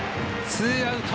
ツーアウト。